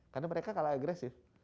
karena mereka kalah agresif